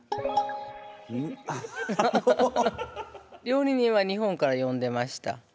料理人は日本から呼んでました。